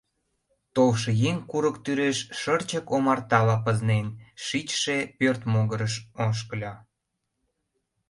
Толшо еҥ курык тӱреш шырчык омартала пызнен шичше пӧрт могырыш ошкыльо.